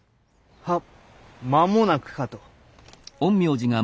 はっ間もなくかと。